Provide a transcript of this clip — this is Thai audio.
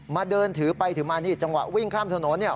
เดินถือไปถือมานี่จังหวะวิ่งข้ามถนนเนี่ย